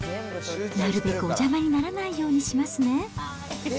なるべくお邪魔にならないようにしますね。